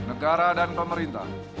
negara dan pemerintah